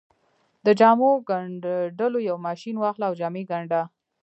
د جامو ګنډلو يو ماشين واخله او جامې ګنډه.